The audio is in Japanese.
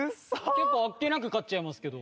結構あっけなく勝っちゃいますけど。